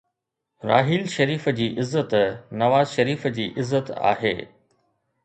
راحيل شريف جي عزت نواز شريف جي عزت آهي.